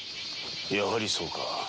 やはりそうか。